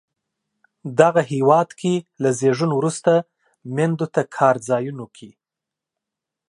دغه هېواد کې له زیږون وروسته میندو ته کار ځایونو کې